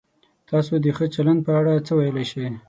تاسو د ښه چلند په اړه څه ویلای شئ؟